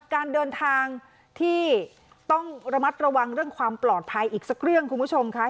การเดินทางที่ต้องระมัดระวังเรื่องความปลอดภัยอีกสักเรื่องคุณผู้ชมค่ะ